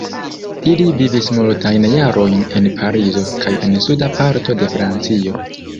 Ili vivis multajn jarojn en Parizo kaj en suda parto de Francio.